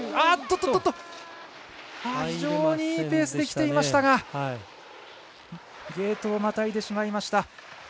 非常にいいペースできていましたがゲートをまたいでしまいました。